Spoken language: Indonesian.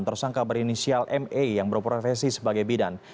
tersangka berinisial me yang berprofesi sebagai bidan